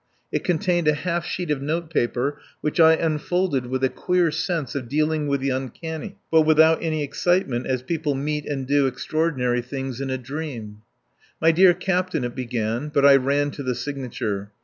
It contained a half sheet of notepaper, which I unfolded with a queer sense of dealing with the uncanny, but without any excitement as people meet and do extraordinary things in a dream. "My dear Captain," it began, but I ran to the signature.